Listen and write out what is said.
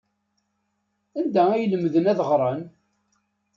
Anda ay lemden ad ɣren?